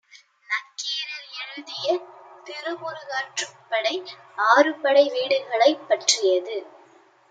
நக்கீரர் எழுதிய திருமுருகாற்றுப்படை ஆறுபடை வீடுகளைப் பற்றியது.